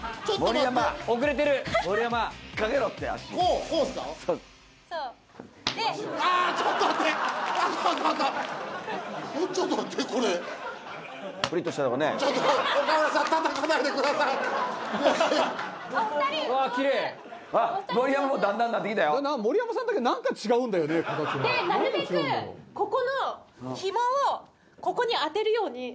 なるべくここのひもをここに当てるように。